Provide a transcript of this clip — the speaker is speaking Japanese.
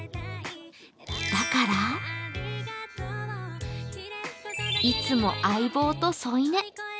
だから、いつも相棒と添い寝。